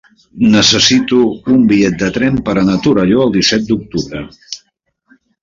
Necessito un bitllet de tren per anar a Torelló el disset d'octubre.